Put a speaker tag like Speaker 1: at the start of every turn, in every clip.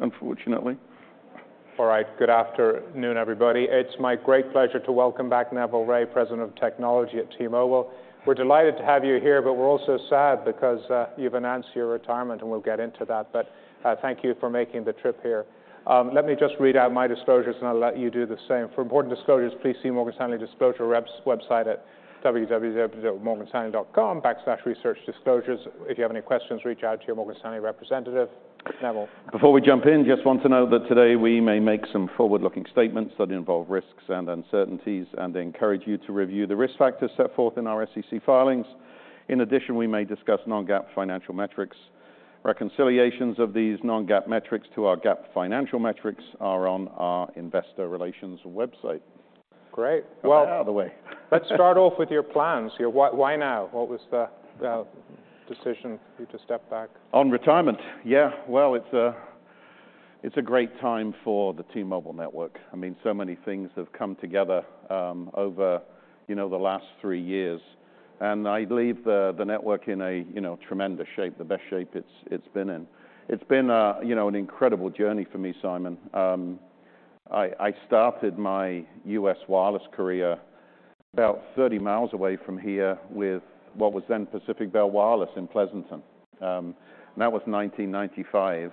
Speaker 1: Unfortunately. All right. Good afternoon, everybody. It's my great pleasure to welcome back Neville Ray, President of Technology at T-Mobile. We're delighted to have you here, but we're also sad because you've announced your retirement, and we'll get into that. Thank you for making the trip here. Let me just read out my disclosures, and I'll let you do the same. For important disclosures, please see Morgan Stanley disclosure website at www.morganstanley.com\researchdisclosures. If you have any questions, reach out to your Morgan Stanley representative. Neville?
Speaker 2: Before we jump in, just want to note that today we may make some forward-looking statements that involve risks and uncertainties, and encourage you to review the risk factors set forth in our SEC filings. In addition, we may discuss non-GAAP financial metrics. Reconciliations of these non-GAAP metrics to our GAAP financial metrics are on our investor relations website.
Speaker 1: Great.
Speaker 2: Get it out of the way.
Speaker 1: Let's start off with your plans here. Why, why now? What was the decision for you to step back?
Speaker 2: On retirement? Yeah. Well, it's a great time for the T-Mobile network. I mean, so many things have come together, over, you know, the last three years. I leave the network in a, you know, tremendous shape, the best shape it's been in. It's been a, you know, an incredible journey for me, Simon. I started my U.S. wireless career about 30 mi away from here with what was then Pacific Bell Wireless in Pleasanton. That was 1995.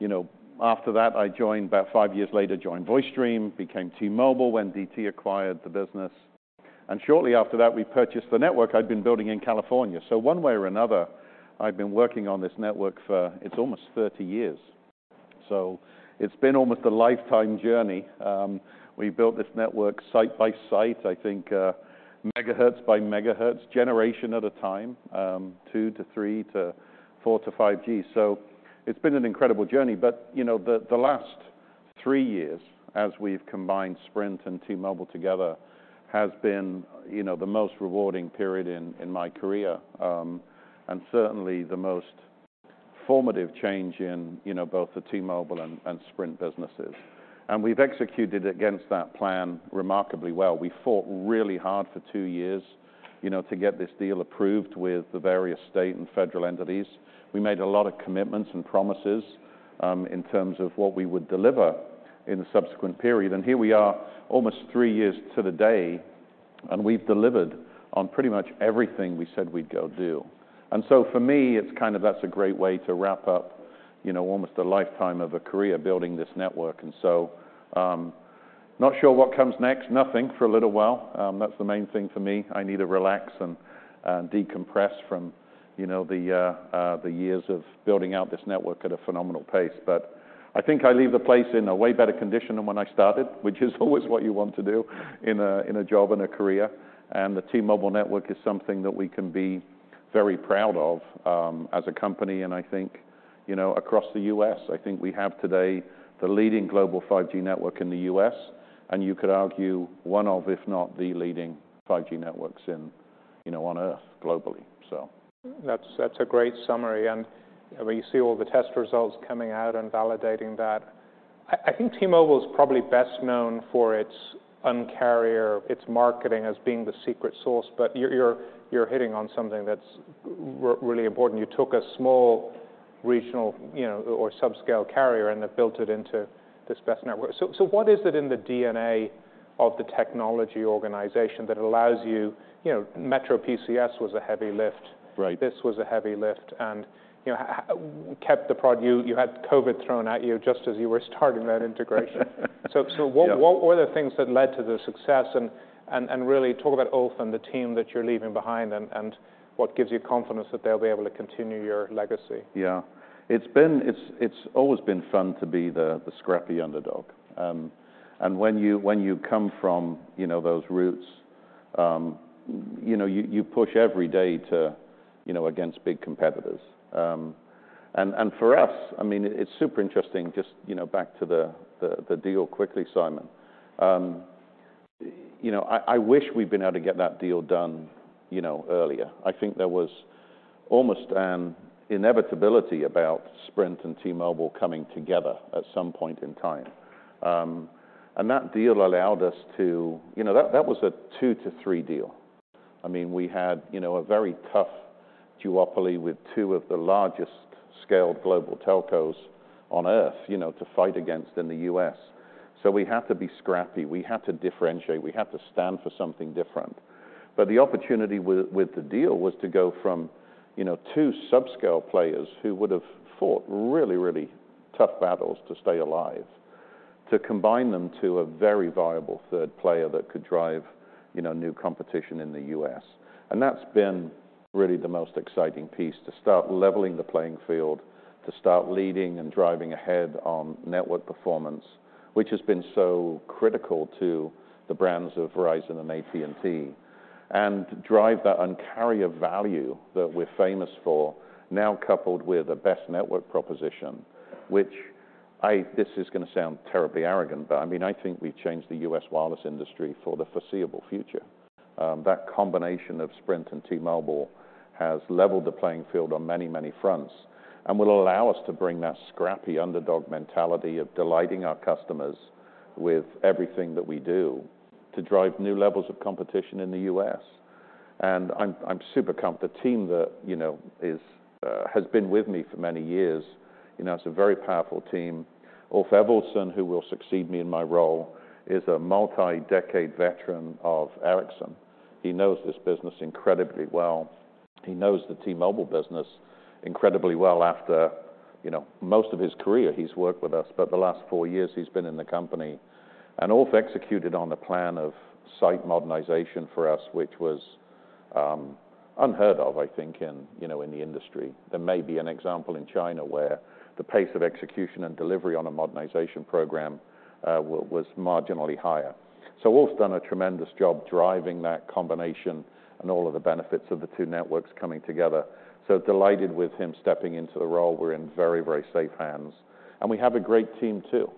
Speaker 2: You know, after that I joined, about five years later, joined VoiceStream, became T-Mobile when DT acquired the business. Shortly after that, we purchased the network I'd been building in California. One way or another, I've been working on this network for... it's almost 30 years. It's been almost a lifetime journey. We built this network site by site, I think, megahertz by megahertz, generation at a time, 2 to 3 to 4 to 5G. It's been an incredible journey. You know, the last three years as we've combined Sprint and T-Mobile together has been, you know, the most rewarding period in my career, and certainly the most formative change in, you know, both the T-Mobile and Sprint businesses, and we've executed against that plan remarkably well. We fought really hard for two years, you know, to get this deal approved with the various state and federal entities. We made a lot of commitments and promises, in terms of what we would deliver in the subsequent period, and here we are almost three years to the day, and we've delivered on pretty much everything we said we'd go do. For me, it's kind of, that's a great way to wrap up, you know, almost a lifetime of a career building this network. Not sure what comes next. Nothing for a little while. That's the main thing for me. I need to relax and decompress from, you know, the years of building out this network at a phenomenal pace. I think I leave the place in a way better condition than when I started, which is always what you want to do in a, in a job, in a career. The T-Mobile network is something that we can be very proud of, as a company and I think, you know, across the U.S. I think we have today the leading global 5G network in the U.S., and you could argue one of, if not the leading 5G networks in, you know, on Earth globally, so.
Speaker 1: That's a great summary. When you see all the test results coming out and validating that, I think T-Mobile's probably best known for its Un-carrier, its marketing as being the secret source, but you're hitting on something that's really important. You took a small regional, you know, or sub-scale carrier and have built it into this best network. What is it in the DNA of the technology organization that allows you? You know, MetroPCS was a heavy lift.
Speaker 2: Right.
Speaker 1: This was a heavy lift, and, you know, you had COVID thrown at you just as you were starting that integration.
Speaker 2: Yeah.
Speaker 1: What were the things that led to the success? Really talk about Ulf and the team that you're leaving behind and what gives you confidence that they'll be able to continue your legacy?
Speaker 2: Yeah. It's always been fun to be the scrappy underdog. And when you, when you come from, you know, those roots, you know, you push every day to, you know, against big competitors. And for us, I mean, it's super interesting just, you know, back to the deal quickly, Simon. You know, I wish we'd been able to get that deal done, you know, earlier. I think there was almost an inevitability about Sprint and T-Mobile coming together at some point in time. And that deal allowed us to. You know, that was a two-to-three deal. I mean, we had, you know, a very tough duopoly with two of the largest scale global telcos on Earth, you know, to fight against in the U.S. We had to be scrappy. We had to differentiate. We had to stand for something different. The opportunity with the deal was to go from, you know, two sub-scale players who would have fought really, really tough battles to stay alive, to combine them to a very viable third player that could drive, you know, new competition in the U.S. That's been really the most exciting piece, to start leveling the playing field, to start leading and driving ahead on network performance, which has been so critical to the brands of Verizon and AT&T, and drive that Un-carrier value that we're famous for now coupled with a best network proposition, which this is gonna sound terribly arrogant, but I mean, I think we've changed the U.S. wireless industry for the foreseeable future. That combination of Sprint and T-Mobile has leveled the playing field on many, many fronts and will allow us to bring that scrappy underdog mentality of delighting our customers with everything that we do to drive new levels of competition in the U.S. The team that, you know, has been with me for many years, you know, it's a very powerful team. Ulf Ewaldsson, who will succeed me in my role, is a multi-decade veteran of Ericsson. He knows this business incredibly well. He knows the T-Mobile business incredibly well. After, you know, most of his career, he's worked with us, but the last four years he's been in the company. Ulf executed on the plan of site modernization for us, which was unheard of, I think, in, you know, in the industry. There may be an example in China where the pace of execution and delivery on a modernization program, was marginally higher. Ulf's done a tremendous job driving that combination and all of the benefits of the two networks coming together. Delighted with him stepping into the role. We're in very, very safe hands. We have a great team, too.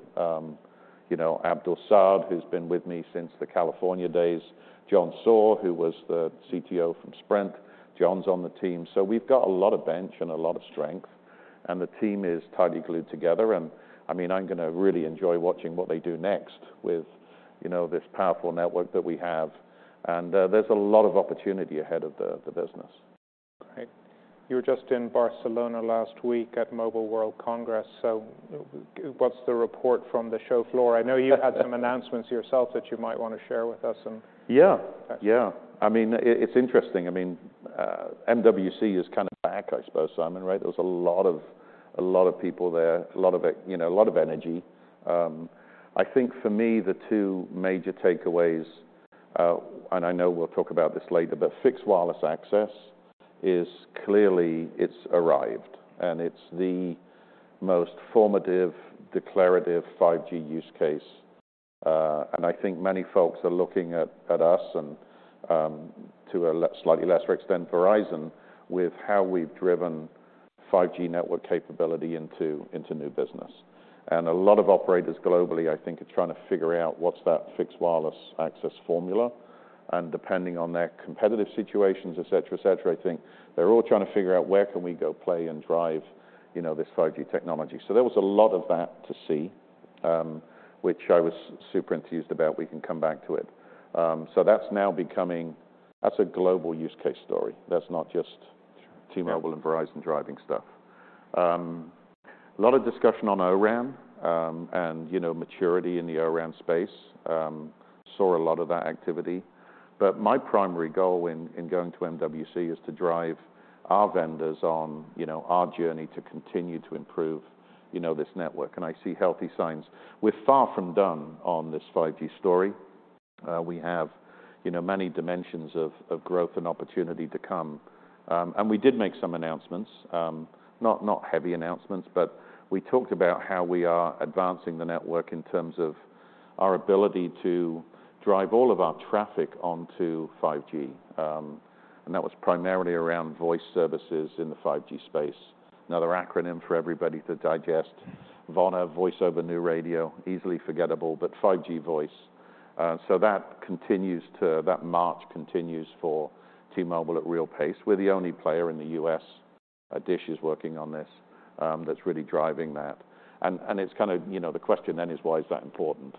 Speaker 2: you know, Abdul Saad, who's been with me since the California days, John Saw, who was the CTO from Sprint, John's on the team. We've got a lot of bench and a lot of strength, and the team is tightly glued together and, I mean, I'm gonna really enjoy watching what they do next with, you know, this powerful network that we have. There's a lot of opportunity ahead of the business.
Speaker 1: Right. You were just in Barcelona last week at Mobile World Congress. What's the report from the show floor? I know you had some announcements yourself that you might wanna share with us.
Speaker 2: Yeah. Yeah. I mean, it's interesting. I mean, MWC is kind of back, I suppose, Simon, right? There was a lot of people there, a lot of, you know, a lot of energy. I think for me, the two major takeaways, and I know we'll talk about this later, but Fixed Wireless Access is clearly it's arrived, and it's the most formative, declarative 5G use case. I think many folks are looking at us and, to a slightly lesser extent Verizon with how we've driven 5G network capability into new business. A lot of operators globally, I think, are trying to figure out what's that Fixed Wireless Access formula. Depending on their competitive situations, et cetera, et cetera, I think they're all trying to figure out where can we go play and drive, you know, this 5G technology. There was a lot of that to see, which I was super enthused about. We can come back to it. That's now that's a global use case story. That's not just T-Mobile and Verizon driving stuff. A lot of discussion on O-RAN, and, you know, maturity in the O-RAN space. Saw a lot of that activity. My primary goal in going to MWC is to drive our vendors on, you know, our journey to continue to improve, you know, this network, and I see healthy signs. We're far from done on this 5G story. We have, you know, many dimensions of growth and opportunity to come. We did make some announcements, not heavy announcements, but we talked about how we are advancing the network in terms of our ability to drive all of our traffic onto 5G. That was primarily around voice services in the 5G space. Another acronym for everybody to digest, VoNR, Voice over New Radio, easily forgettable, but 5G voice. That march continues for T-Mobile at real pace. We're the only player in the U.S. Dish is working on this, that's really driving that. It's kind of, you know, the question then is, why is that important?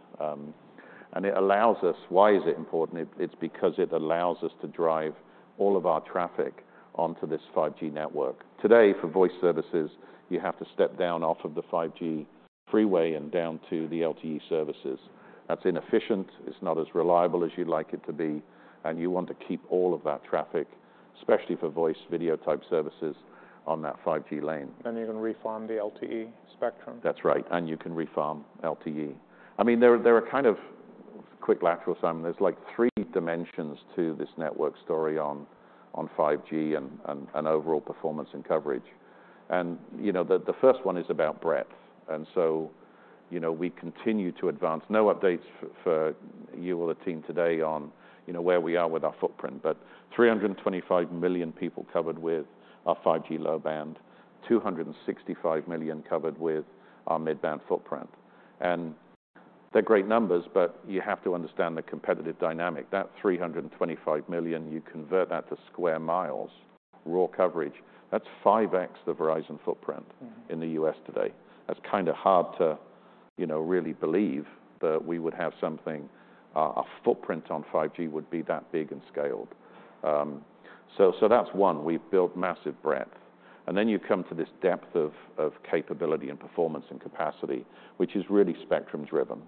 Speaker 2: Why is it important? It's because it allows us to drive all of our traffic onto this 5G network. Today, for voice services, you have to step down off of the 5G freeway and down to the LTE services. That's inefficient. It's not as reliable as you'd like it to be, and you want to keep all of that traffic, especially for voice video type services on that 5G lane.
Speaker 1: You can refarm the LTE spectrum.
Speaker 2: That's right. You can refarm LTE. I mean, there are kind of quick lateral, Simon. There's like three dimensions to this network story on 5G and overall performance and coverage. you know, the first one is about breadth. you know, we continue to advance. No updates for you or the team today on, you know, where we are with our footprint, but 325 million people covered with our 5G low band, 265 million covered with our mid-band footprint. They're great numbers, but you have to understand the competitive dynamic. That 325 million, you convert that to square miles, raw coverage, that's 5X the Verizon footprint.
Speaker 1: Mm-hmm
Speaker 2: In the U.S. today. That's kinda hard to, you know, really believe that we would have our footprint on 5G would be that big and scaled. So that's one. We've built massive breadth. You come to this depth of capability and performance and capacity, which is really spectrum-driven.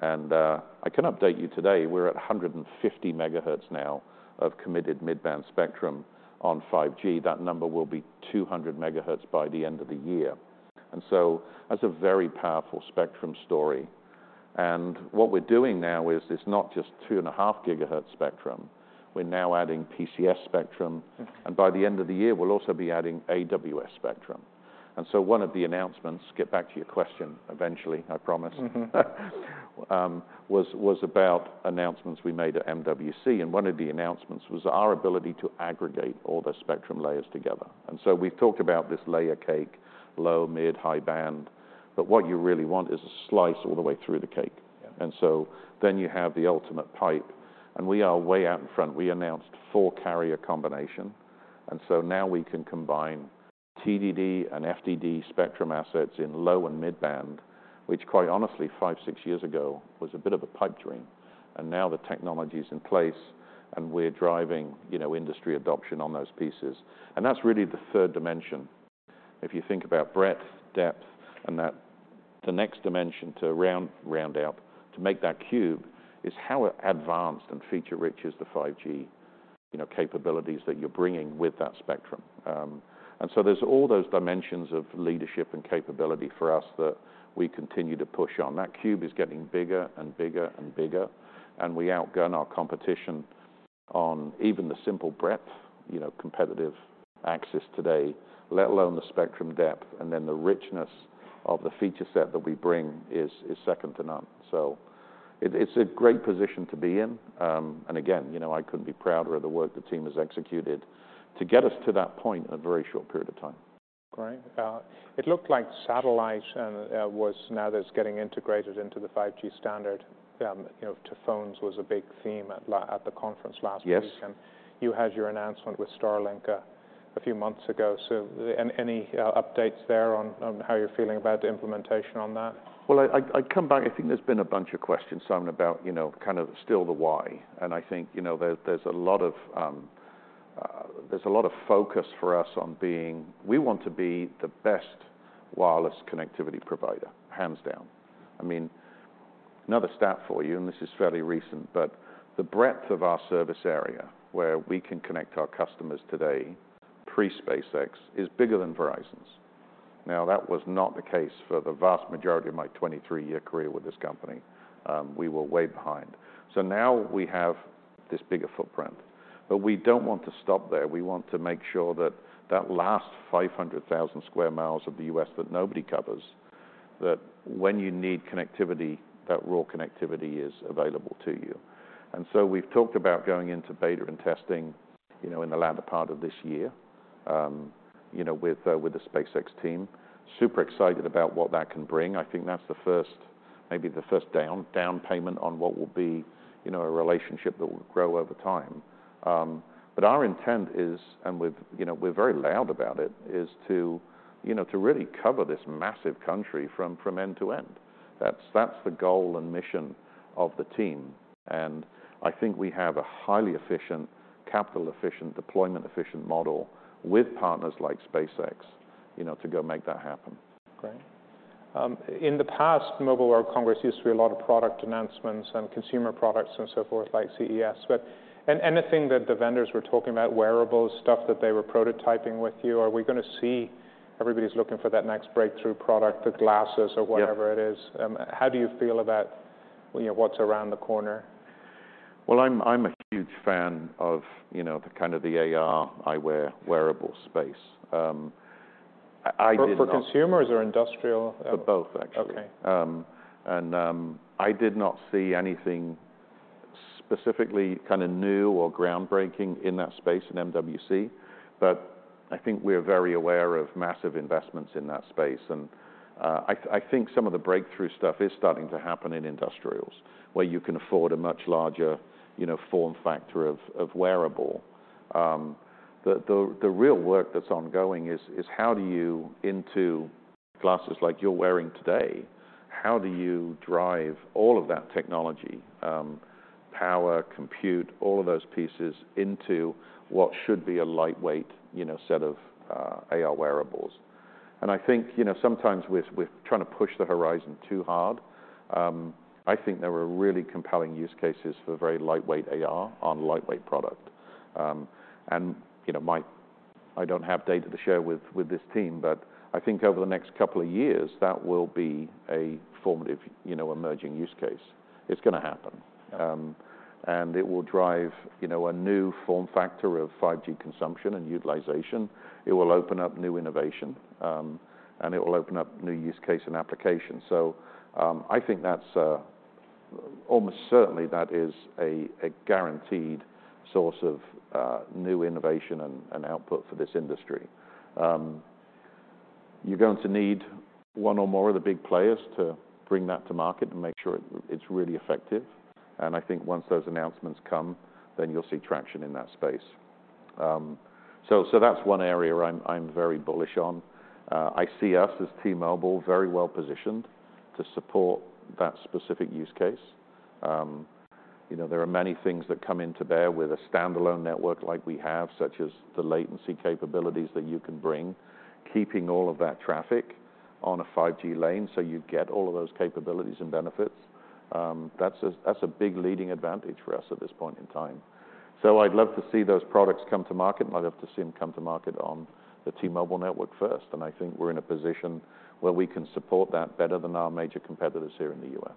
Speaker 2: I can update you today, we're at 150 MHz now of committed mid-band spectrum on 5G. That number will be 200 MHz by the end of the year. That's a very powerful spectrum story. What we're doing now is it's not just 2.5 GHz spectrum. We're now adding PCS spectrum.
Speaker 1: Mm.
Speaker 2: By the end of the year, we'll also be adding AWS spectrum. One of the announcements, get back to your question eventually, I promise-
Speaker 1: Mm-hmm
Speaker 2: Was about announcements we made at MWC, and one of the announcements was our ability to aggregate all the spectrum layers together. We've talked about this layer cake, low, mid, high band, but what you really want is a slice all the way through the cake.
Speaker 1: Yeah.
Speaker 2: You have the ultimate pipe, and we are way out in front. We announced four-carrier aggregation. Now we can combine TDD and FDD spectrum assets in low and mid-band, which quite honestly five, six years ago was a bit of a pipe dream. Now the technology's in place and we're driving, you know, industry adoption on those pieces. That's really the third dimension. If you think about breadth, depth, and that the next dimension to round out to make that cube is how advanced and feature-rich is the 5G, you know, capabilities that you're bringing with that spectrum. There's all those dimensions of leadership and capability for us that we continue to push on. That cube is getting bigger and bigger and bigger, we outgun our competition on even the simple breadth, you know, competitive axis today, let alone the spectrum depth. The richness of the feature set that we bring is second to none. It, it's a great position to be in. Again, you know, I couldn't be prouder of the work the team has executed to get us to that point in a very short period of time.
Speaker 1: Great. It looked like satellite and, was now that it's getting integrated into the 5G standard, you know, to phones was a big theme at the conference last week.
Speaker 2: Yes.
Speaker 1: You had your announcement with Starlink a few months ago. Any updates there on how you're feeling about the implementation on that?
Speaker 2: Well, I'd come back. I think there's been a bunch of questions, Simon, about, you know, kind of still the why. I think, you know, there's a lot of focus for us on we want to be the best wireless connectivity provider, hands down. I mean, another stat for you, and this is fairly recent, but the breadth of our service area where we can connect our customers today, pre-SpaceX, is bigger than Verizon's. That was not the case for the vast majority of my 23-year career with this company. We were way behind. Now we have this bigger footprint, but we don't want to stop there. We want to make sure that that last 500,000 sq mi of the U.S. That nobody covers, that when you need connectivity, that rural connectivity is available to you. We've talked about going into beta and testing, you know, in the latter part of this year, you know, with the SpaceX team. Super excited about what that can bring. I think that's the first, maybe the first down payment on what will be, you know, a relationship that will grow over time. Our intent is, and we've, you know, we're very loud about it, is to, you know, to really cover this massive country from end to end. That's the goal and mission of the team, and I think we have a highly efficient, capital-efficient, deployment-efficient model with partners like SpaceX, you know, to go make that happen.
Speaker 1: Great. In the past, Mobile World Congress used to be a lot of product announcements and consumer products and so forth like CES. Anything that the vendors were talking about, wearables, stuff that they were prototyping with you, are we gonna see everybody's looking for that next breakthrough product, the glasses or whatever it is?
Speaker 2: Yeah.
Speaker 1: How do you feel about, you know, what's around the corner?
Speaker 2: Well, I'm a huge fan of, you know, the kind of the AR eyewear wearable space.
Speaker 1: For consumers or industrial?
Speaker 2: For both, actually.
Speaker 1: Okay.
Speaker 2: I did not see anything specifically kind of new or groundbreaking in that space in MWC, but I think we're very aware of massive investments in that space. I think some of the breakthrough stuff is starting to happen in industrials where you can afford a much larger, you know, form factor of wearable. The real work that's ongoing is how do you into glasses like you're wearing today, how do you drive all of that technology, power, compute, all of those pieces into what should be a lightweight, you know, set of AR wearables? I think, you know, sometimes we're trying to push the horizon too hard. I think there were really compelling use cases for very lightweight AR on lightweight product. You know, I don't have data to share with this team, but I think over the next couple of years, that will be a formative, you know, emerging use case. It's gonna happen. It will drive, you know, a new form factor of 5G consumption and utilization. It will open up new innovation, and it will open up new use case and application. I think that's almost certainly that is a guaranteed source of new innovation and output for this industry. You're going to need one or more of the big players to bring that to market and make sure it's really effective. I think once those announcements come, then you'll see traction in that space. So that's one area I'm very bullish on. I see us as T-Mobile very well positioned to support that specific use case. You know, there are many things that come to bear with a standalone network like we have, such as the latency capabilities that you can bring, keeping all of that traffic on a 5G lane so you get all of those capabilities and benefits. That's a, that's a big leading advantage for us at this point in time. I'd love to see those products come to market, and I'd love to see them come to market on the T-Mobile network first. I think we're in a position where we can support that better than our major competitors here in the U.S.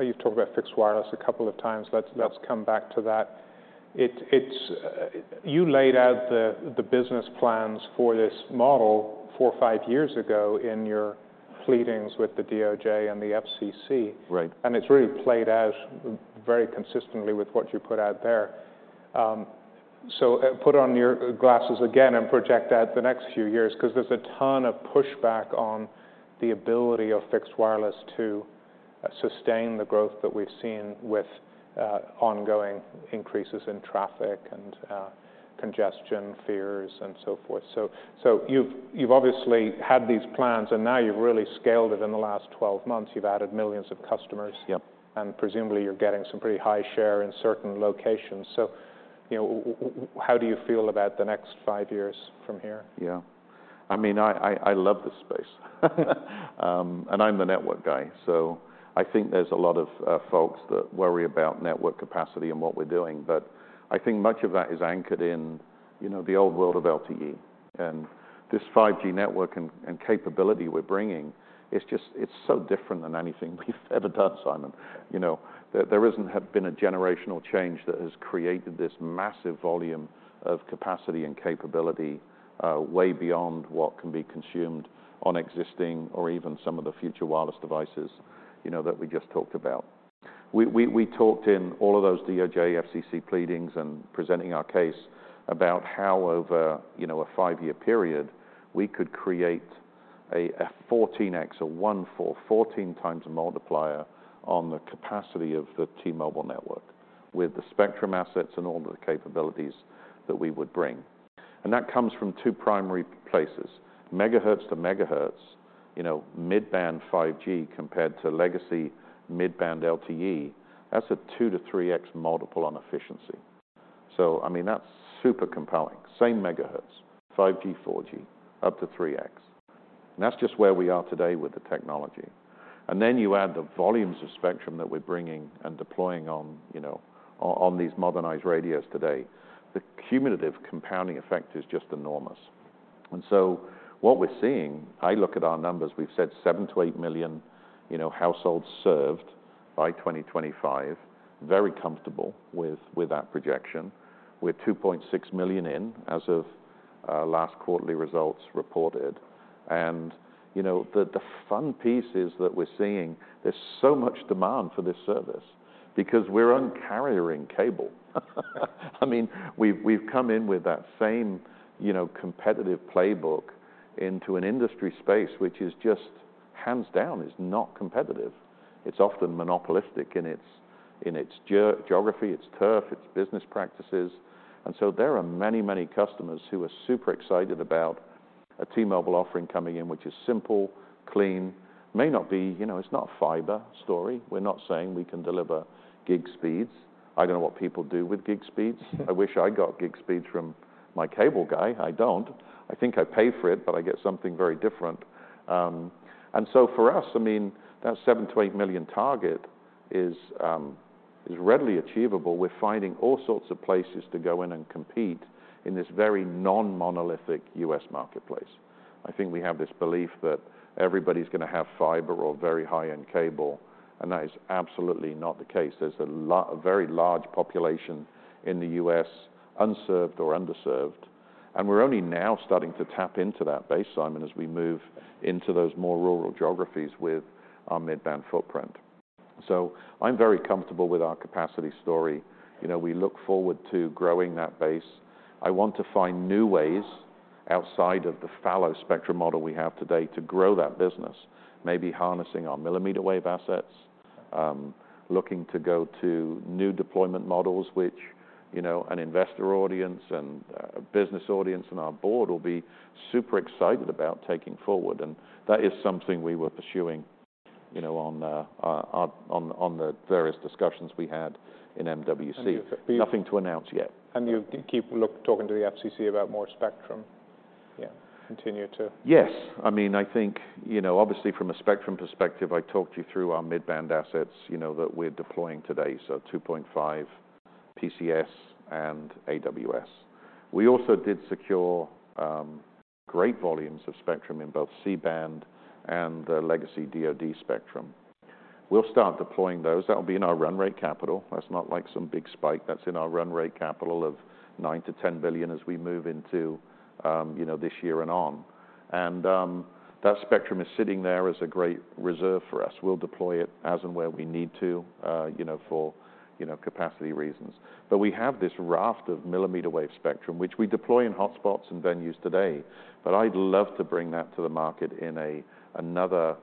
Speaker 1: You've talked about Fixed Wireless a couple of times. Let's come back to that. You laid out the business plans for this model four or five years ago in your pleadings with the DOJ and the FCC.
Speaker 2: Right.
Speaker 1: It's really played out very consistently with what you put out there. Put on your glasses again and project out the next few years 'cause there's a ton of pushback on the ability of fixed wireless to sustain the growth that we've seen with, ongoing increases in traffic and, congestion fears and so forth. You've obviously had these plans, and now you've really scaled it in the last 12 months. You've added millions of customers.
Speaker 2: Yep.
Speaker 1: Presumably, you're getting some pretty high share in certain locations. You know, how do you feel about the next five years from here?
Speaker 2: Yeah. I mean, I, I love this space. I'm the network guy, so I think there's a lot of folks that worry about network capacity and what we're doing, but I think much of that is anchored in, you know, the old world of LTE. This 5G network and capability we're bringing is just... it's so different than anything we've ever done, Simon. You know, there isn't have been a generational change that has created this massive volume of capacity and capability way beyond what can be consumed on existing or even some of the future wireless devices, you know, that we just talked about. We talked in all of those DOJ, FCC pleadings and presenting our case about how over, you know, a five-year period we could create a 14x or 14 times multiplier on the capacity of the T-Mobile network with the spectrum assets and all the capabilities that we would bring. That comes from two primary places. Megahertz to megahertz, you know, mid-band 5G compared to legacy mid-band LTE, that's a two to three x multiple on efficiency. I mean, that's super compelling. Same megahertz, 5G, 4G, up to three x. That's just where we are today with the technology. You add the volumes of spectrum that we're bringing and deploying on, you know, on these modernized radios today. The cumulative compounding effect is just enormous. What we're seeing, I look at our numbers, we've said $7 million-$8 million, you know, households served by 2025. Very comfortable with that projection. We're $2.6 million in as of last quarterly results reported. You know, the fun piece is that we're seeing there's so much demand for this service because we're Un-carriering cable. I mean, we've come in with that same, you know, competitive playbook into an industry space, which is just hands down is not competitive. It's often monopolistic in its geography, its turf, its business practices. There are many customers who are super excited about a T-Mobile offering coming in, which is simple, clean. May not be... You know, it's not a fiber story. We're not saying we can deliver gig speeds. I don't know what people do with gig speeds. I wish I got gig speeds from my cable guy. I don't. I think I pay for it, but I get something very different. For us, I mean, that $7 million-$8 million target is readily achievable. We're finding all sorts of places to go in and compete in this very non-monolithic U.S. marketplace. I think we have this belief that everybody's gonna have fiber or very high-end cable, and that is absolutely not the case. There's a very large population in the U.S. unserved or underserved, and we're only now starting to tap into that base, Simon, as we move into those more rural geographies with our mid-band footprint. I'm very comfortable with our capacity story. You know, we look forward to growing that base. I want to find new ways outside of the fallow spectrum model we have today to grow that business. Maybe harnessing our millimeter wave assets, looking to go to new deployment models, which, you know, an investor audience and a business audience and our board will be super excited about taking forward. That is something we were pursuing, you know, on the various discussions we had in MWC.
Speaker 1: And you-
Speaker 2: Nothing to announce yet.
Speaker 1: You keep talking to the FCC about more spectrum? Yeah. Continue to.
Speaker 2: Yes. I mean, I think, you know, obviously from a spectrum perspective, I talked you through our mid-band assets, you know, that we're deploying today, so 2.5 PCS and AWS. We also did secure great volumes of spectrum in both C-band and the legacy DoD spectrum. We'll start deploying those. That'll be in our run rate capital. That's not like some big spike. That's in our run rate capital of $9 billion-$10 billion as we move into, you know, this year and on. That spectrum is sitting there as a great reserve for us. We'll deploy it as and where we need to, you know, for, you know, capacity reasons. We have this raft of millimeter wave spectrum, which we deploy in hotspots and venues today, but I'd love to bring that to the market in another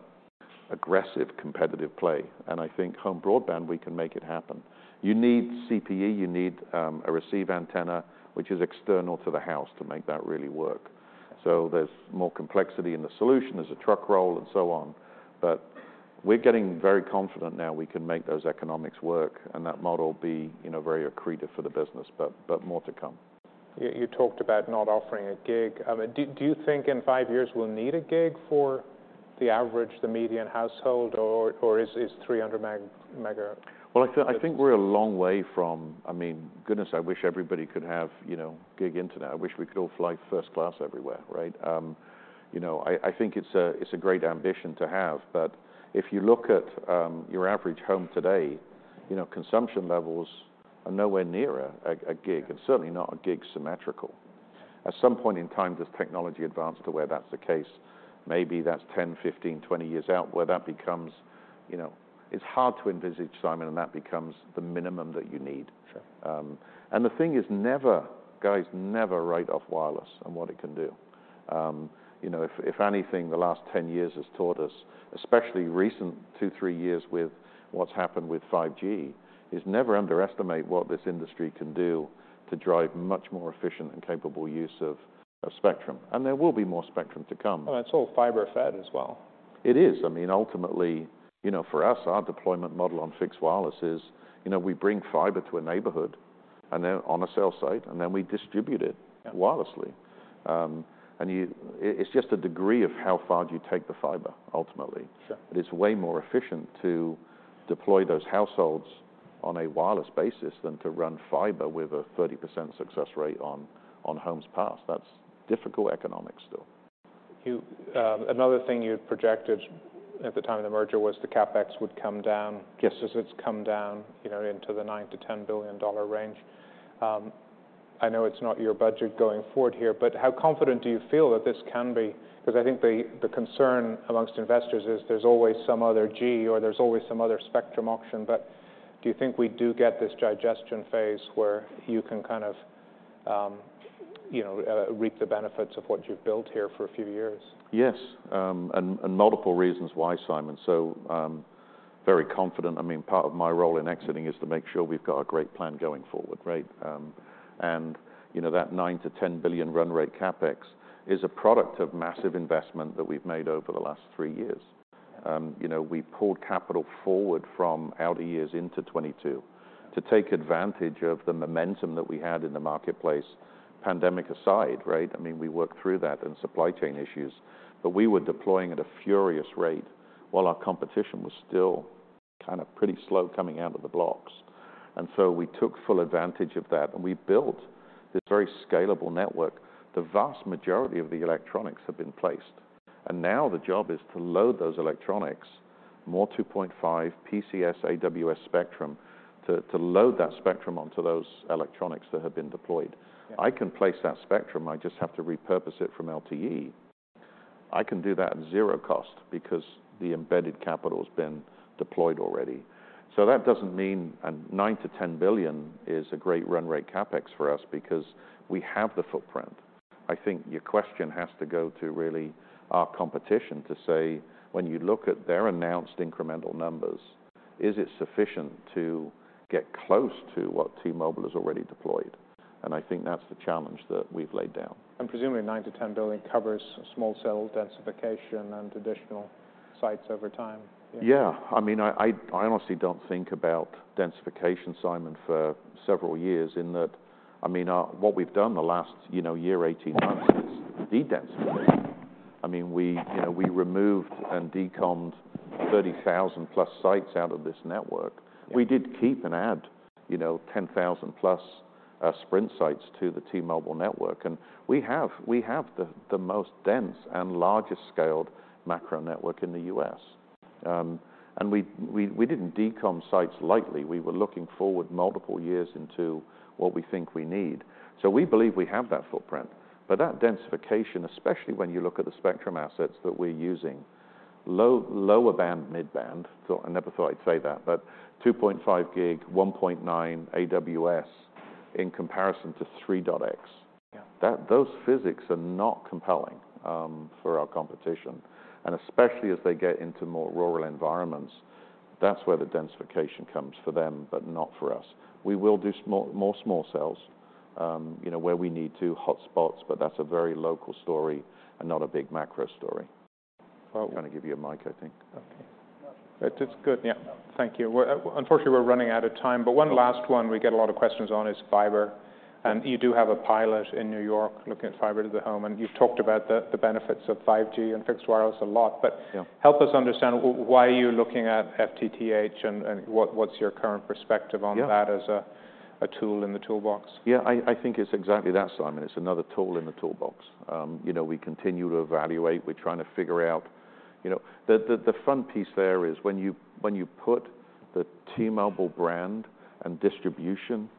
Speaker 2: aggressive competitive play, and I think home broadband, we can make it happen. You need CPE, you need a receive antenna, which is external to the house to make that really work. There's more complexity in the solution. There's a truck roll and so on. We're getting very confident now we can make those economics work and that model be, you know, very accretive for the business, but more to come.
Speaker 1: You talked about not offering a gig. I mean, do you think in five years we'll need a gig for the average, median household, or is 300?
Speaker 2: Well, I think we're a long way from, I mean, goodness, I wish everybody could have, you know, gig internet. I wish we could all fly first class everywhere, right? You know, I think it's a great ambition to have. If you look at your average home today, you know, consumption levels are nowhere near a gig and certainly not a gig symmetrical. At some point in time, does technology advance to where that's the case? Maybe that's 10, 15, 20 years out, where that becomes, you know. It's hard to envisage, Simon, that becomes the minimum that you need.
Speaker 1: Sure.
Speaker 2: The thing is never, guys, never write off wireless and what it can do. You know, if anything, the last 10 years has taught us, especially recent 2, 3 years with what's happened with 5G, is never underestimate what this industry can do to drive much more efficient and capable use of spectrum. There will be more spectrum to come.
Speaker 1: It's all fiber fed as well.
Speaker 2: It is. I mean, ultimately, you know, for us, our deployment model on fixed wireless is, you know, we bring fiber to a neighborhood, and then on a cell site, and then we distribute it...
Speaker 1: Yeah
Speaker 2: ...wirelessly. It's just a degree of how far do you take the fiber, ultimately.
Speaker 1: Sure.
Speaker 2: It's way more efficient to deploy those households on a wireless basis than to run fiber with a 30% success rate on homes passed. That's difficult economics still.
Speaker 1: You, another thing you had projected at the time of the merger was the CapEx would come down. Guess as it's come down, you know, into the $9 billion-$10 billion range. I know it's not your budget going forward here, but how confident do you feel that this can be? Because I think the concern amongst investors is there's always some other G or there's always some other spectrum auction. Do you think we do get this digestion phase where you can kind of, you know, reap the benefits of what you've built here for a few years?
Speaker 2: Yes. Multiple reasons why, Simon, so, very confident. I mean, part of my role in exiting is to make sure we've got a great plan going forward.
Speaker 1: Right.
Speaker 2: You know, that $9 billion-$10 billion run rate CapEx is a product of massive investment that we've made over the last three years. you know, we pulled capital forward from outer years into 2022 to take advantage of the momentum that we had in the marketplace, pandemic aside, right? I mean, we worked through that and supply chain issues, but we were deploying at a furious rate while our competition was still kind of pretty slow coming out of the blocks. We took full advantage of that, and we built this very scalable network. The vast majority of the electronics have been placed, and now the job is to load those electronics, more 2.5 PCS, AWS spectrum, to load that spectrum onto those electronics that have been deployed.
Speaker 1: Yeah.
Speaker 2: I can place that spectrum. I just have to repurpose it from LTE. I can do that at zero cost because the embedded capital's been deployed already. That doesn't mean... $9 billion-$10 billion is a great run rate CapEx for us because we have the footprint. I think your question has to go to really our competition to say, when you look at their announced incremental numbers, is it sufficient to get close to what T-Mobile has already deployed? I think that's the challenge that we've laid down.
Speaker 1: Presumably, $9 billion-$10 billion covers small cell densification and additional sites over time. Yeah.
Speaker 2: Yeah. I mean, I honestly don't think about densification, Simon, for several years in that... I mean, what we've done the last, you know, year, 18 months is de-densify. I mean, we, you know, we removed and decommissioned 30,000-plus sites out of this network.
Speaker 1: Yeah.
Speaker 2: We did keep and add, you know, 10,000+ Sprint sites to the T-Mobile network, and we have the most dense and largest scaled macro network in the U.S. We didn't decomm sites lightly. We were looking forward multiple years into what we think we need. We believe we have that footprint. That densification, especially when you look at the spectrum assets that we're using, low-band, mid-band. I never thought I'd say that, but 2.5 GHz, 1.9 GHz AWS in comparison to 3.x GHz.
Speaker 1: Yeah.
Speaker 2: Those physics are not compelling for our competition. Especially as they get into more rural environments, that's where the densification comes for them, but not for us. We will do more small cells, you know, where we need to, hotspots, but that's a very local story and not a big macro story.
Speaker 1: Well-
Speaker 2: I'm gonna give you a mic, I think.
Speaker 1: Okay. That is good. Yeah. Thank you. Unfortunately, we're running out of time. One last one we get a lot of questions on is fiber. You do have a pilot in New York looking at fiber to the home, and you've talked about the benefits of 5G and Fixed Wireless a lot.
Speaker 2: Yeah.
Speaker 1: Help us understand why are you looking at FTTH and what's your current perspective?
Speaker 2: Yeah
Speaker 1: That as a tool in the toolbox?
Speaker 2: Yeah. I think it's exactly that, Simon. It's another tool in the toolbox. You know, we continue to evaluate. We're trying to figure out, you know. The fun piece there is when you, when you put the T-Mobile brand and distribution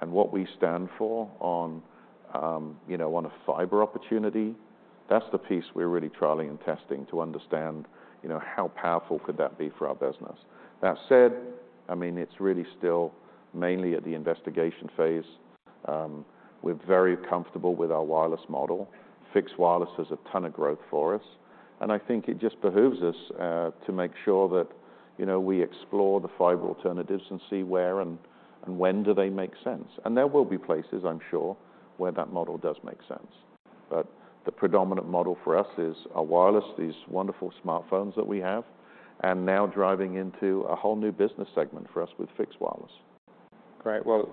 Speaker 2: and what we stand for on, you know, on a fiber opportunity, that's the piece we're really trialing and testing to understand, you know, how powerful could that be for our business. That said, I mean, it's really still mainly at the investigation phase. We're very comfortable with our wireless model. Fixed Wireless is a ton of growth for us, and I think it just behooves us to make sure that, you know, we explore the fiber alternatives and see where and when do they make sense. There will be places, I'm sure, where that model does make sense. The predominant model for us is our wireless, these wonderful smartphones that we have, and now driving into a whole new business segment for us with Fixed Wireless.
Speaker 1: Great. Well,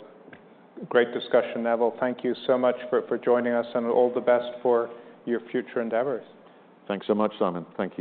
Speaker 1: great discussion, Neville. Thank you so much for joining us, and all the best for your future endeavors.
Speaker 2: Thanks so much, Simon. Thank you.